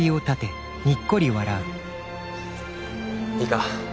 いいか？